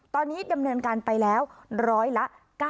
ตอนนี้ดำเนินการไปแล้วร้อยละ๙๐